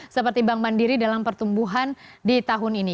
seperti bank mandiri dalam pertumbuhan di tahun ini